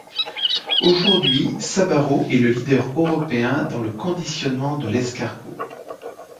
Aujourd'hui Sabarot est le leader européen dans le conditionnement de l'escargot.